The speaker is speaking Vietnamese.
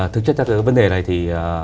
thực chất ra cái vấn đề này thì